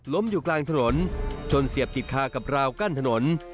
ล้มอยู่กลางถนน